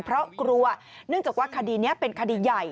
เพราะกลัวเนื่องจากว่าคดีนี้เป็นคดีใหญ่